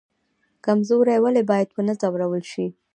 کمزوری ولې باید ونه ځورول شي؟